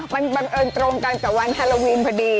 มันบังเอิญตรงกันกับวันฮาโลวีนพอดี